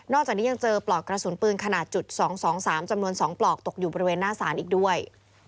จากนี้ยังเจอปลอกกระสุนปืนขนาดจุด๒๒๓จำนวน๒ปลอกตกอยู่บริเวณหน้าศาลอีกด้วย